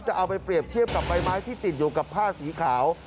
จะเอาไปเปรียบเทียบกับใบไม้ที่ติดอยู่กับผ้าสีขาว